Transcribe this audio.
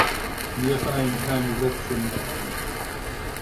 Mir fallen keine Sätze mehr ein.